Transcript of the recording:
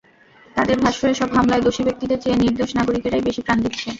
তাদের ভাষ্য, এসব হামলায় দোষী ব্যক্তিদের চেয়ে নির্দোষ নাগরিকেরাই বেশি প্রাণ দিচ্ছে।